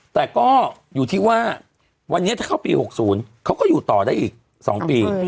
แต่ก็อยู่ที่ว่าวันนี้ถ้าเข้าปี๖๐เขาก็อยู่ต่อได้อีก๒ปี